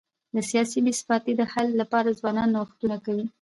د سیاسي بي ثباتی د حل لپاره ځوانان نوښتونه کوي.